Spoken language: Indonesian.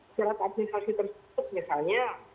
secara administrasi tersebut misalnya